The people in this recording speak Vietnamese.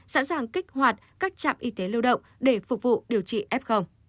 sẵn sàng kích hoạt các trạm y tế lưu động để phục vụ điều trị f